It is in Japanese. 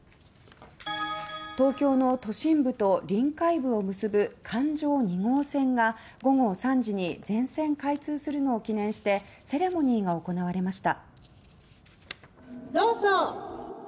東京の都心部と臨海部を結ぶ環状２号線が午後３時に全線開通するのを記念してセレモニーが行われました。